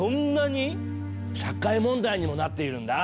社会問題にもなっているんだ。